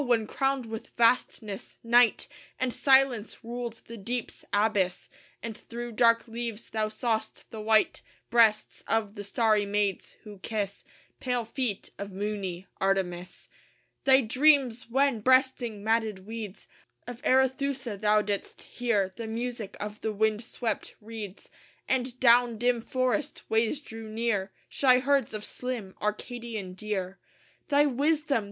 when crowned with vastness, Night And Silence ruled the deep's abyss; And through dark leaves thou saw'st the white Breasts of the starry maids who kiss Pale feet of moony Artemis. Thy dreams! when, breasting matted weeds Of Arethusa, thou didst hear The music of the wind swept reeds; And down dim forest ways drew near Shy herds of slim Arcadian deer. Thy wisdom!